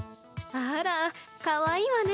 あらかわいいわね。